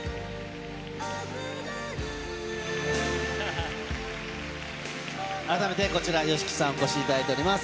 はぁ改めてこちら、ＹＯＳＨＩＫＩさん、お越しいただいております。